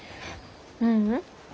ううん。